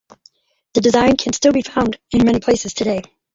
The design can still be found in many places today.